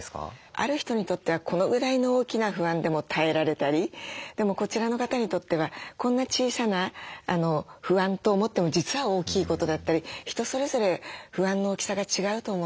ある人にとってはこのぐらいの大きな不安でも耐えられたりでもこちらの方にとってはこんな小さな不安と思っても実は大きいことだったり人それぞれ不安の大きさが違うと思っていて。